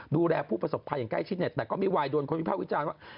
ดูแลผู้ประสบภัยใกล้ชิดแน็ตแต่ก็ไม่ไหวโดนคนพิพักวิจารณ์ว่า